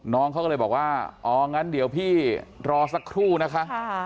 น้องเขาก็เลยบอกว่าอ๋องั้นเดี๋ยวพี่รอสักครู่นะคะ